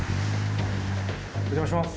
お邪魔します。